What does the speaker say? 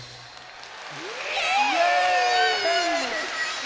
イエーイ！